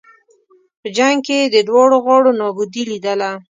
په جنګ کې یې د دواړو غاړو نابودي لېدله.